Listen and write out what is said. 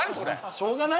しょうがないだろ。